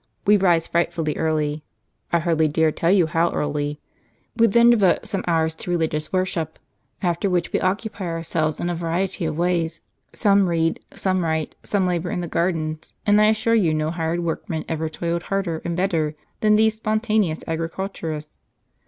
We rise frightfully early — 1 hardly dare tell you how early ; we then devote some hours to religious worship ; after which we occupy ourselves in a variety of ways ; some read, some write, some labor in the gardens ; and I assure you no hired workmen ever toiled harder and better than these spon taneous agriculturists.